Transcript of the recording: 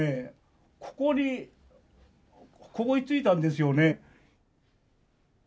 ここにここに着いたんですよね。